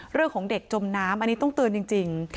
เรื่องของเด็กจมน้ำอันนี้ต้องเตือนจริง